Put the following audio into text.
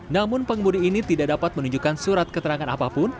namun pengemudi ini tidak dapat menunjukkan surat keterangan apapun